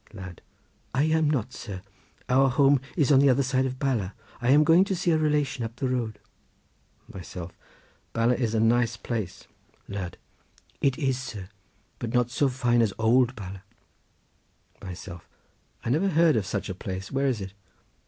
Lad.—I am not, sir; our home is on the other side of Bala. I am going to see a relation up the road. Myself.—Bala is a nice place. Lad.—It is, sir; but not so fine as old Bala. Myself.—I never heard of such a place. Where is it?